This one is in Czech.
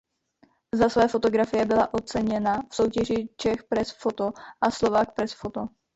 Za své fotografie byla oceněna v soutěži Czech Press Photo a Slovak Press Photo.